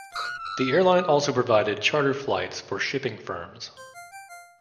The airline also provided charter flights for shipping firms.